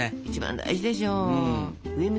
一番大事でしょう。